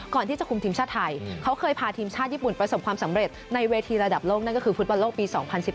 ก่อนที่จะคุมทีมชาติไทยเขาเคยพาทีมชาติญี่ปุ่นประสบความสำเร็จในเวทีระดับโลกนั่นก็คือฟุตบอลโลกปี๒๐๑๘